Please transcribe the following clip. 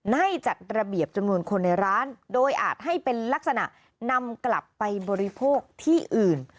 ให้จัดระเบียบจำนวนคนในร้านโดยอาจให้เป็นลักษณะนำกลับไปบริโภคที่อื่น